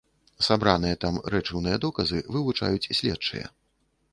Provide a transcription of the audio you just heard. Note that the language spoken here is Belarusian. Сабраныя там рэчыўныя доказы вывучаюць следчыя.